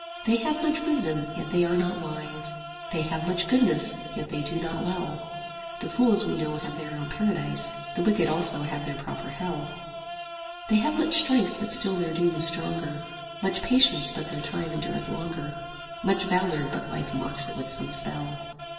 They have much wisdom yet they are not wise, They have much goodness yet they do not well, (The fools we know have their own paradise, 10 The wicked also have their proper Hell); They have much strength but still their doom is stronger, Much patience but their time endureth longer, Much valour but life mocks it with some spell.